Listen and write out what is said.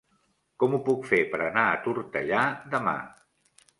Com ho puc fer per anar a Tortellà demà?